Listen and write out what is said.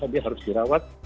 maka dia harus dirawat